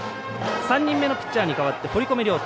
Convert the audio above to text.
３人目のピッチャーに代わって堀米涼太。